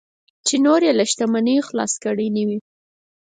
چې نور یې له شتمنیو خلاص کړي نه وي.